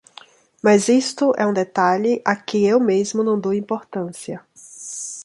Mas isto é um detalhe a que eu mesmo não dou importância.